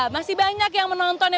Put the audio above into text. masih banyak yang menonton ya